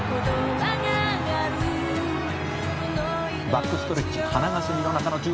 「バックストレッチ花がすみの中の１８頭」